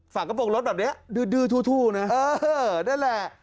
ฝั่งกระโปรกรถแบบเนี้ยดื้อดื้อทู่ทู่นะเออนั่นแหละ